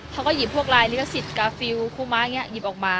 เขาก็หยิบพวกลายลิขสิทธิ์การ์ฟฟิลกิโลคุ้ม้าเงี้ยหยิบออกมา